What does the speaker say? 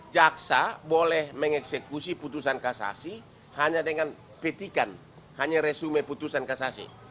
jaksa boleh mengeksekusi putusan kasasi hanya dengan petikan hanya resume putusan kasasi